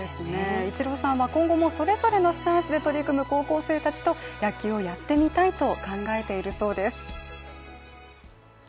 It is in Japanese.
イチローさんは今後もそれぞれのスタンスで取り組む高校生たちと野球をやってみたいと考えているそうです。